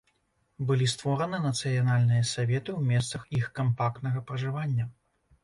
Былі створаны нацыянальныя саветы ў месцах іх кампактнага пражывання.